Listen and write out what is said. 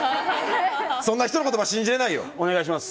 そんな人の言葉信じられないよ。